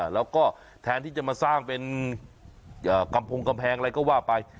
แล้วก็แทนที่จะมาสร้างเป็นกำพงกำแพงอะไรก็ว่าไป